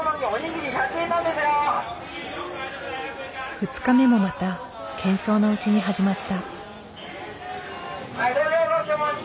２日目もまたけん騒のうちに始まった。